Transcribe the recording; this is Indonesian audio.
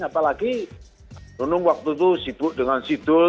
apalagi nunung waktu itu sibuk dengan sidul